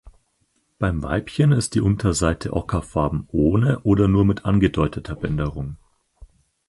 Beim Weibchen ist die Unterseite ockerfarben ohne oder mit nur angedeuteter Bänderung.